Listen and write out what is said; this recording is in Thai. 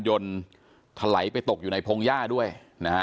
ผมไม่ได้เจอสักครั้ง